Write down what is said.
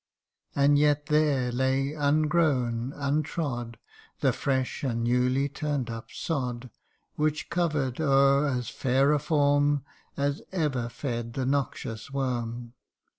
And yet there lay ungrown, untrod, The fresh and newly turned up sod, Which cover'd o'er as fair a form As ever fed the noxious worm.